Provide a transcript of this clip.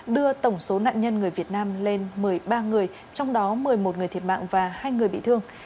đưa tổng số nạn nhân người việt nam lên một mươi ba người trong đó một mươi một người thiệt mạng và hai người bị thương